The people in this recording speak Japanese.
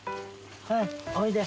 はいおいで。